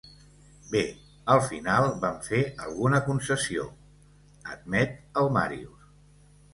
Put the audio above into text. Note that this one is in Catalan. Bé, al final vam fer alguna concessió —admet el Màrius—.